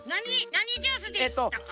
なにジュースでしたか？